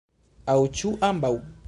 Aŭ ĉu ambaŭ?